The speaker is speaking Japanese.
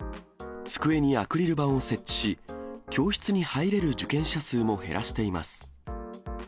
机にアクリル板を設置し、教室に入れる受験者数も減らしています。